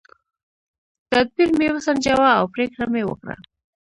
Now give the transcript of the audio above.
تدبیر مې وسنجاوه او پرېکړه مې وکړه.